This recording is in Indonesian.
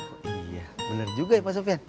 oh iya bener juga ya pak sofyan